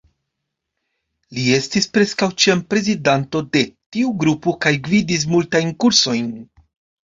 Li estis preskaŭ ĉiam prezidanto de tiu grupo kaj gvidis multajn kursojn.